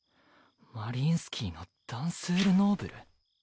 マリインスキーのダンスール・ノーブル？